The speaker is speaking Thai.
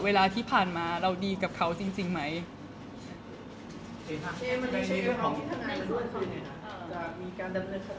เพราะว่าสิ่งเหล่านี้มันเป็นสิ่งที่ไม่มีพยาน